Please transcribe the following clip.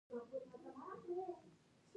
که کله د شپې لخوا لږ ژیړ رنګ درسره وي